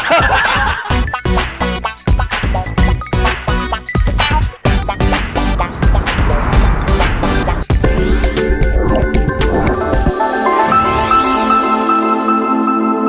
กิเลนพยองครับ